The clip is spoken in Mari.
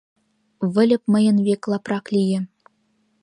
— Выльып мыйын век лапрак лие.